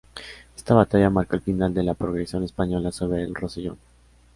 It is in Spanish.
Esta batalla marcó el final de la progresión española sobre el Rosellón.